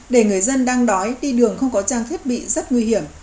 để người dân đang đói đi đường không có trang thiết bị rất nguy hiểm